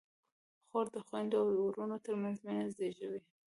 خور د خویندو او وروڼو ترمنځ مینه زېږوي.